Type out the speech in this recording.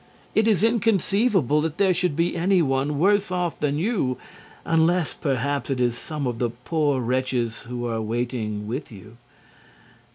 It is inconceivable that there should be anyone worse off than you, unless perhaps it is some of the poor wretches who are waiting with you.